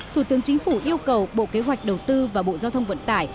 thủ tướng chính phủ yêu cầu bộ kế hoạch đầu tư và bộ giao thông vận tải